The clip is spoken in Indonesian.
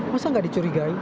masa nggak dicurigai